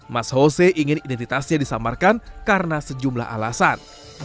mas jose ingin identitasnya disamarkan karena sejumlah alasan